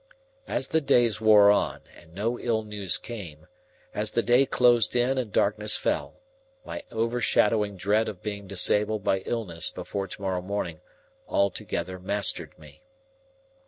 As the days wore on, and no ill news came, as the day closed in and darkness fell, my overshadowing dread of being disabled by illness before to morrow morning altogether mastered me.